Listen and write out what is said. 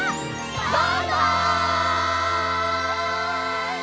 バイバイ！